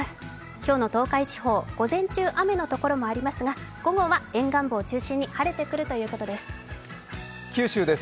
今日の東海地方、午前中、雨の所もありますが、午後は沿岸部を中心に晴れてくるということです。